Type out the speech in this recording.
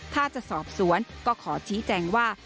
ถ้าจะสอบสวนก็ขอชี้แจงว่า